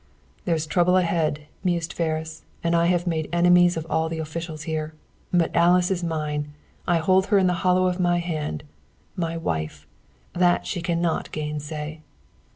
"There is trouble ahead," mused Ferris, "and I have made enemies of all the officials here. But Alice is mine. I hold her in the hollow of my hand. My wife! That she cannot gainsay."